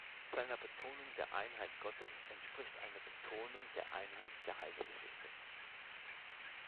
Seiner Betonung der Einheit Gottes entspricht eine Betonung der Einheit der Heilsgeschichte.